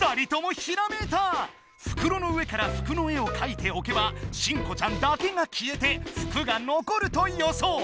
ふくろの上から服の絵をかいておけば新子ちゃんだけが消えて服が残るとよそう。